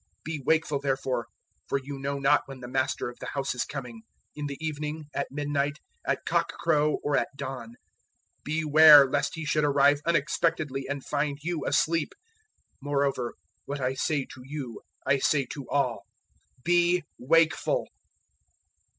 013:035 Be wakeful therefore, for you know not when the master of the house is coming in the evening, at midnight, at cock crow, or at dawn. 013:036 Beware lest He should arrive unexpectedly and find you asleep. 013:037 Moreover, what I say to you I say to all Be wakeful!"